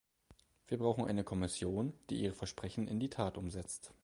Wir brauchen eine Kommission, die ihre Versprechen in die Tat umsetzt.